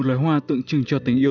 một loài hoa tượng trưng cho tình yêu